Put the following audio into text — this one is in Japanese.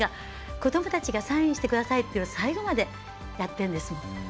子どもたちがサインしてくださいって言ったら最後までやっているんです。